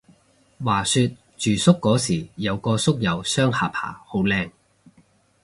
話說住宿嗰時有個宿友雙下巴好靚